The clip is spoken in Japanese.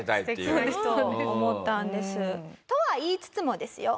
そう思ったんです。とは言いつつもですよ